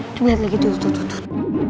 itu lihat lagi tuh tuh tuh tuh